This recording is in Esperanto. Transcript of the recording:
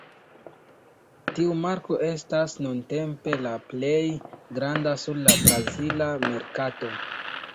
Tiu marko estas nuntempe la plej granda sur la brazila merkato.